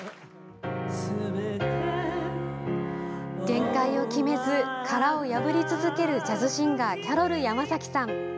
限界を決めず殻を破り続けるジャズシンガーキャロル山崎さん。